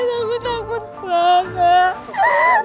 aku takut banget